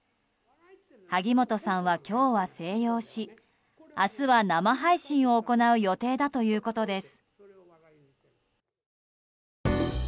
萩本さんは今日は静養し明日は生配信を行う予定だということです。